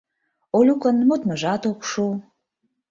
Олюкын модмыжат ок шу.